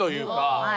はい。